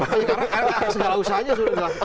karena segala usahanya sudah jelas